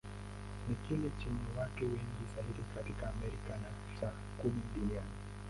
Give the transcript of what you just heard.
Ni kile chenye watu wengi zaidi katika Amerika, na cha kumi duniani.